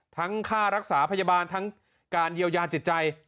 ค่ารักษาพยาบาลทั้งการเยียวยาจิตใจ